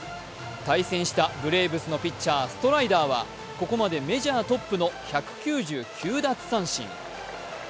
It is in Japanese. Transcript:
対戦したブレーブスのピッチャーストライダーはここまでメジャートップの１９９奪三振。